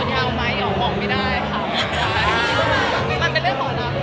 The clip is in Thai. โสดยาวไหมดูออกไม่ได้ค่ะมันเป็นเรื่องหรอนะ